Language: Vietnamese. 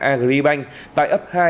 agribank tại ấp hai